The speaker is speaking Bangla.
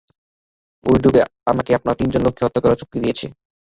ওই ডুবে আমাকে আপনার তিনজন লোককে হত্যা করার চুক্তি দিয়েছে।